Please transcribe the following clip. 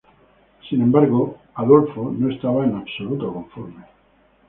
Sin embargo, Hitler no estaba en absoluto conforme.